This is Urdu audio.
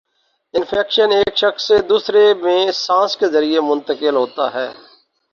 انفیکشن ایک شخص سے دوسرے میں سانس کے ذریعے منتقل ہوتا ہے